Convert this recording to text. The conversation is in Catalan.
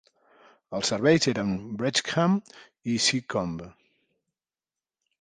Els serveis eren Wrexham i Seacombe.